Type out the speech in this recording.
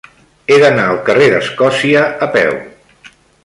He d'anar al carrer d'Escòcia a peu.